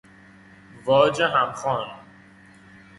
واج همخوان